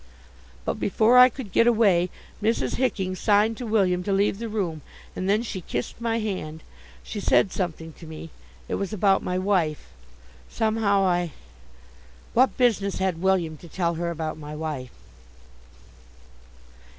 But before I could get away, Mrs. Hicking signed to William to leave the room, and then she kissed my hand. She said something to me. It was about my wife. Somehow I What business had William to tell her about my wife?